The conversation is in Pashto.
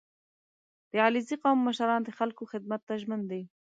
• د علیزي قوم مشران د خلکو خدمت ته ژمن دي.